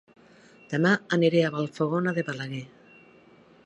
Dema aniré a Vallfogona de Balaguer